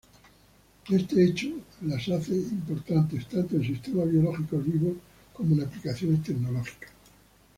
Este hecho las hace importantes tanto en sistemas biológicos vivos como en aplicaciones tecnológicas.